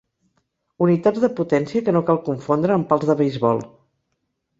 Unitats de potència que no cal confondre amb pals de beisbol.